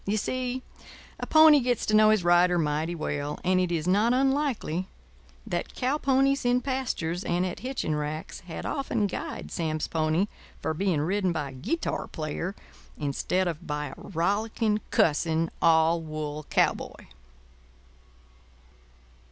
You see, a pony gets to know his rider mighty well, and it is not unlikely that cow ponies in pastures and at hitching racks had often guyed Sam's pony for being ridden by a guitar player instead of by a rollicking, cussing, all wool cowboy.